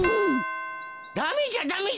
ダメじゃダメじゃ。